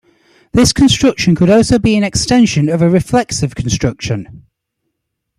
This construction could also be an extension of a reflexive construction.